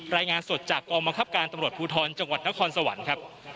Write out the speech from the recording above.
รายงานสดจากกองบังคับการตำรวจภูทรจังหวัดนครสวรรค์ครับ